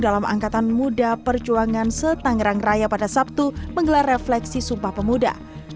dalam angkatan muda perjuangan setanggerang raya pada sabtu menggelar refleksi sumpah pemuda